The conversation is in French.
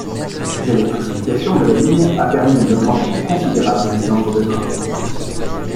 L'électrification de la ligne a permis une augmentation considérable du nombre de trains.